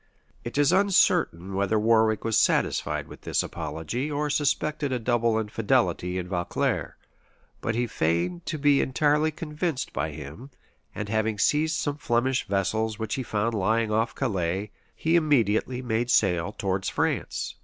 [*] It is uncertain whether Warwick was satisfied with this apology, or suspected a double infidelity in Vaucler; but he feigned to be entirely convinced by him; and having seized some Flemish vessels which he found lying off Calais, he immediately made sail towards France.